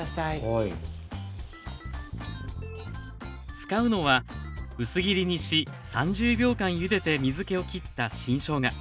使うのは薄切りにし３０秒間ゆでて水けをきった新しょうが。